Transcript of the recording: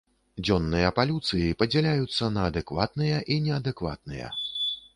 Дзённыя палюцыі падзяляюцца на адэкватныя і неадэкватныя.